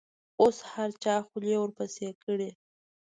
اوس هر چا خولې ورپسې کړي.